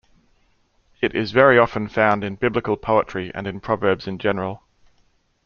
It is very often found in Biblical poetry and in proverbs in general.